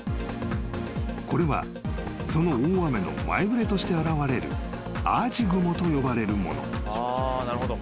［これはその大雨の前触れとして現れるアーチ雲と呼ばれるもの］